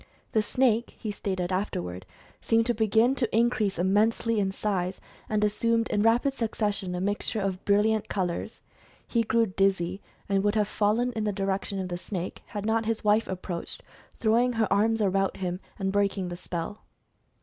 The snake, he stated afterward, seemed to begin to increase immensely in size, and as 20 Mental Fascination sumed, in rapid succession, a mixture of brilliant col ors. He grew dizzy and would have fallen in the di rection of the snake, had not his wife approached, throwing her arms about him, and breaking the spell.